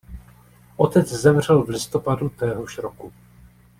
Otec zemřel v listopadu téhož roku.